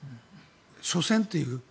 しょせんっていう。